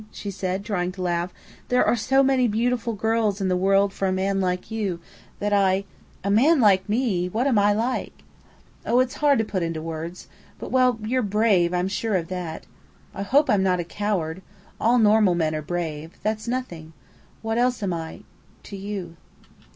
she said, trying to laugh. "There are so many beautiful girls in the world for a man like you, that I " "A man like me! What am I like?" "Oh, it's hard to put into words. But well, you're brave; I'm sure of that." "I hope I'm not a coward. All normal men are brave. That's nothing. What else am I to you?"